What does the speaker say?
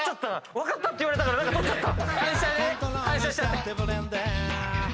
「分かった」って言われたから取っちゃった！